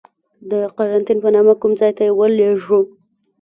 د قرنتین په نامه کوم ځای ته یې ولیږلو.